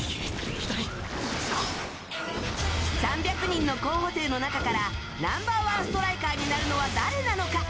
３００人の候補生の中からナンバー１ストライカーになるのは誰なのか？